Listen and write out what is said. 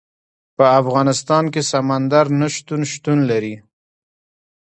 په افغانستان کې سمندر نه شتون شتون لري.